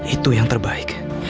itu yang terbaik